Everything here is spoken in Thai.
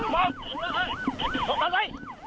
ลูกเบา